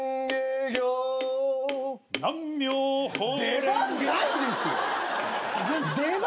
出番ないですよ！